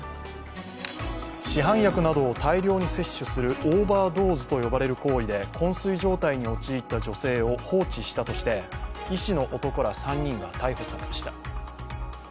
市販薬などを大量に摂取するオーバードーズと呼ばれる行為でこん睡状態に陥った女性を放置したとして医師の男ら３人が逮捕されました。